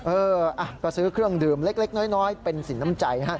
เออก็ซื้อเครื่องดื่มเล็กน้อยเป็นสินน้ำใจฮะ